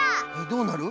どうなる？